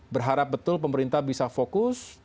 berharap betul pemerintah bisa fokus